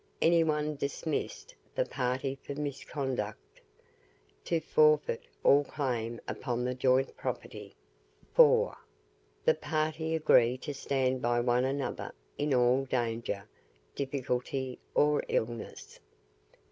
Any one dismissed the party for misconduct, to forfeit all claim upon the joint property. 4. The party agree to stand by one another in all danger, difficulty, or illness.